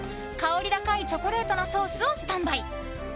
香り高いチョコレートのソースをスタンバイ。